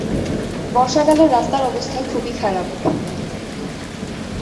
বর্ষাকালে রাস্তার অবস্থা খুবই খারাপ।